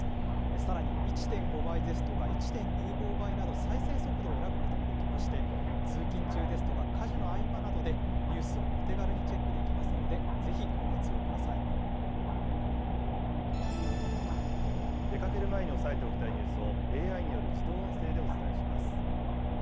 さらに１．５倍ですとか１．２５倍など、再生速度を選ぶことができまして、通勤中ですとか家事の合間などで、ニュースをお手軽にチェックできますので、ぜひ、ご出かける前に押さえておきたいニュースを、ＡＩによる自動音声でお伝えします。